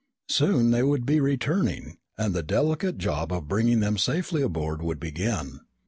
Soon they would be returning and the delicate job of bringing them safely aboard would begin.